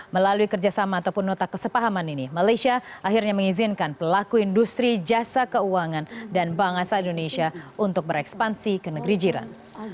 melalui kerjasama ataupun nota kesepahaman ini malaysia akhirnya mengizinkan pelaku industri jasa keuangan dan bank asal indonesia untuk berekspansi ke negeri jiran